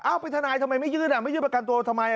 ไปทนายทำไมไม่ยื่นอ่ะไม่ยื่นประกันตัวทำไม